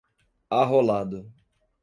arrolado